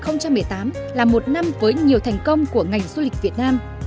năm hai nghìn một mươi tám là một năm với nhiều thành công của ngành du lịch việt nam